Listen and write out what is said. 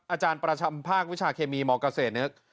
อาจารย์ประชัมภาควิชาเคมีหมอกเกษตรเนื้อ